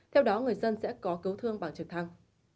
theo đó người dân sẽ có cứu thương bằng trực thăng